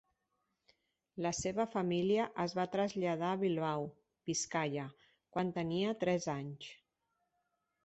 La seva família es va traslladar a Bilbao, Biscaia, quan tenia tres anys.